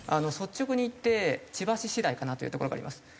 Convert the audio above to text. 率直に言って千葉市次第かなというところがあります。